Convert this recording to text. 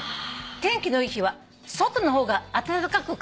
「天気のいい日は外の方が暖かく感じます」